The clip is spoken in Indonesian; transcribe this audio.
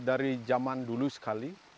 dari zaman dulu sekali